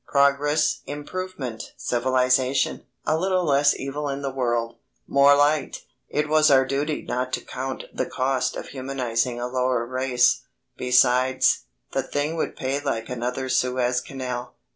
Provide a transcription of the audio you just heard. Progress, improvement, civilisation, a little less evil in the world more light! It was our duty not to count the cost of humanising a lower race. Besides, the thing would pay like another Suez Canal.